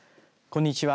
こんにちは。